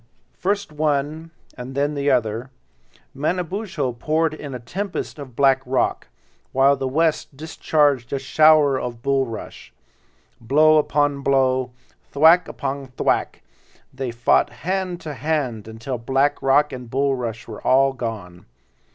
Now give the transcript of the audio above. First one and then the other, Manabozho poured in a tempest of black rock, while the West discharged a shower of bulrush. Blow upon blow, thwack upon thwack—they fought hand to hand until black rock and bulrush were all gone.